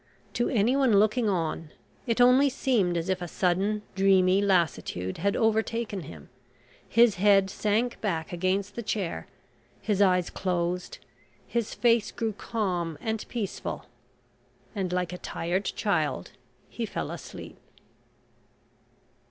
To anyone looking on, it only seemed as if a sudden dreamy lassitude had overtaken him; his head sank back against the chair, his eyes closed, his face grew calm and peaceful, and, like a tired child, he fell asleep.